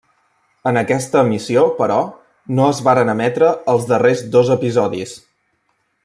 En aquesta emissió, però no es varen emetre els darrers dos episodis.